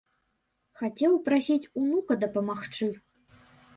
Хацеў прасіць унука дапамагчы.